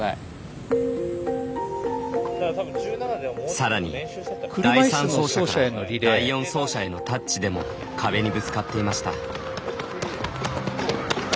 さらに第３走者から第４走者へのタッチでも壁にぶつかっていました。